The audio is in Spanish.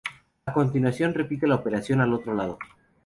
A continuación repite la operación al otro lado.